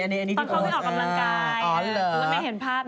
ตอนเขาไม่ออกกำลังกาย